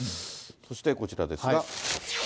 そしてこちらですが。